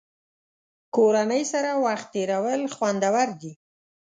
کورنۍ سره وخت تېرول خوندور دي.